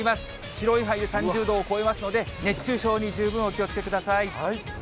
広い範囲で３０度を超えますので、熱中症に十分お気をつけください。